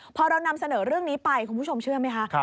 พอเรานำเสนอเรื่องนี้ไปคุณผู้ชมเชื่อไหมคะ